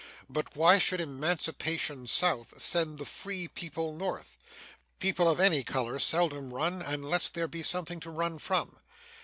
But why should emancipation South send the free people North? People of any color seldom run unless there be something to run from.